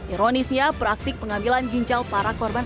ironis ya praktik pengambilan ginjal para korban